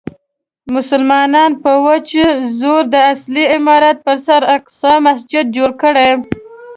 مسلمانانو په وچ زور د اصلي عمارت پر سر اقصی جومات جوړ کړی.